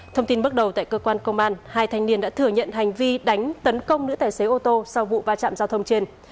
thông tin bước đầu tại cơ quan công an hai thanh niên đã thừa nhận hành vi đánh tấn công nữ tài xế ô tô sau vụ va chạm giao thông trên